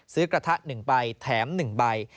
ซื้อกระทะ๑ใบแถม๑ใบ